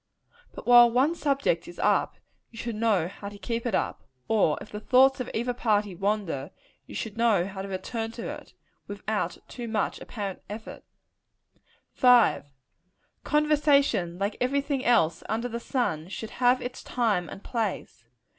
But while one subject is up, you should know how to keep it up; or if the thoughts of either party wander, you should know how to return to it, without too much apparent effort. 5. Conversation, like every thing else under the sun, should have its time and place.